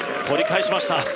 取り返しました！